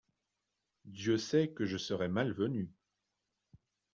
Dieu sait que je serais mal venu …!